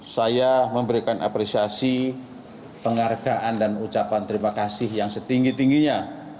saya memberikan apresiasi penghargaan dan ucapan terima kasih yang setinggi tingginya